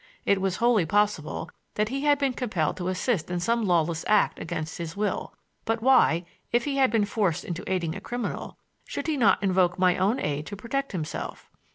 It was wholly possible that he had been compelled to assist in some lawless act against his will; but why, if he had been forced into aiding a criminal, should he not invoke my own aid to protect himself?